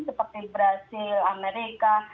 seperti brazil amerika